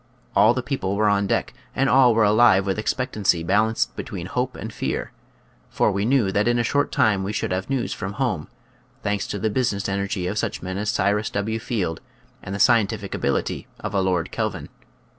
All the people were on deck and all were alive with ex pectancy balanced between hope and fear, for we knew that in a short time we should have news from home — thanks to the business en ergy of such men as Cyrus W. Field and the scientific ability of a Lord Kelvin.